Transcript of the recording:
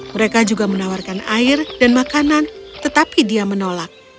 mereka juga menawarkan air dan makanan tetapi dia menolak